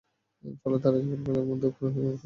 ফলে তারা সকাল বেলায় ঘরের মধ্যে উপুড় হয়ে পড়ে রইল।